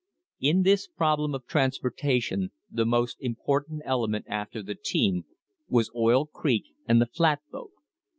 In this problem of transportation the most important ele ment after the team was Oil Creek and the flatboat.